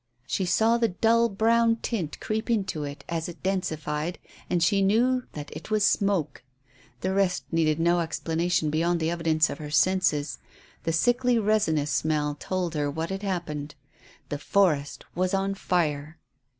She saw the dull brown tint creep into it as it densified, and she knew that it was smoke. The rest needed no explanation beyond the evidence of her senses. The sickly resinous smell told her what had happened. The forest was on fire!